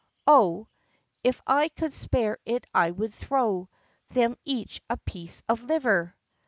Oh, If I could spare it I would throw Them each a piece of liver!"